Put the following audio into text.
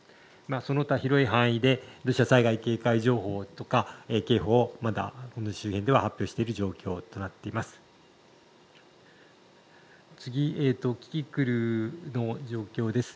その他、広い範囲で土砂災害警戒情報とか警報を周辺では発表している状況となっています。